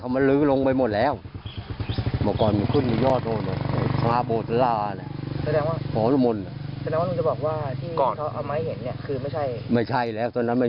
เขาพูดอย่างนี้